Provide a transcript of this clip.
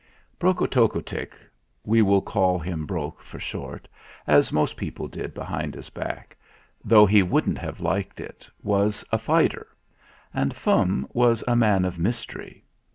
Brokotockotick we will call him Brok for short, as most people did behind his back, though he wouldn't have liked it was a fighter; and Fum was a man of mystery.